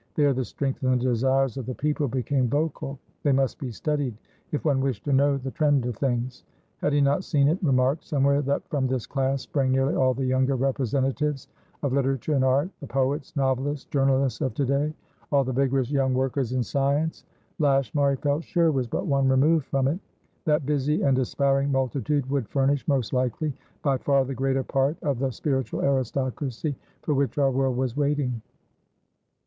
There the strength and the desires of the people became vocal; they must be studied, if one wished to know the trend of things. Had he not seen it remarked somewhere that from this class sprang nearly all the younger representatives of literature and art, the poets, novelists, journalists of to day; all the vigorous young workers in science? Lashmar, he felt sure, was but one remove from it. That busy and aspiring multitude would furnish, most likely, by far the greater part of the spiritual aristocracy for which our world was waiting.